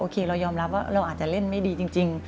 เรายอมรับว่าเราอาจจะเล่นไม่ดีจริง